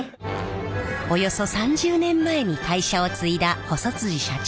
およそ３０年前に会社を継いだ細社長。